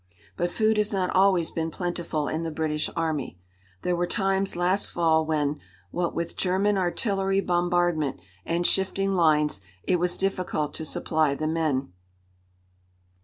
But food has not always been plentiful in the British Army. There were times last fall when, what with German artillery bombardment and shifting lines, it was difficult to supply the men.